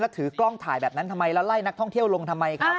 ถือกล้องถ่ายแบบนั้นทำไมแล้วไล่นักท่องเที่ยวลงทำไมครับ